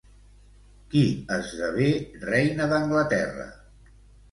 Qui esdevé reina d'Anglaterra?